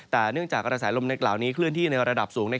แต่เนื่องจากกระแสลมในกล่าวนี้เคลื่อนที่ในระดับสูง